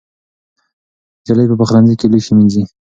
نجلۍ په پخلنځي کې لوښي مینځي.